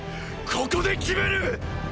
ここで決める！！